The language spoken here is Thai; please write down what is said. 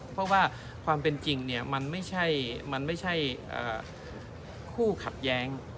เพราะว่าความเป็นจริงมันไม่ใช่คู่ขัดแย้ง